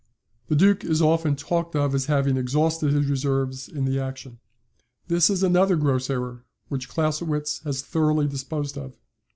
"The Duke is often talked of as having exhausted his reserves in the action. This is another gross error, which Clausewitz has thoroughly disposed of.